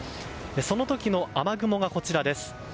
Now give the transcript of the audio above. その時の雨雲がこちらです。